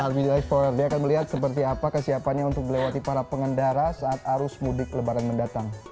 albi the explorer dia akan melihat seperti apa kesiapannya untuk melewati para pengendara saat arus mudik lebaran mendatang